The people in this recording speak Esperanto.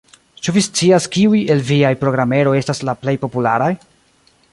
Ĉu vi scias, kiuj el viaj programeroj estas la plej popularaj?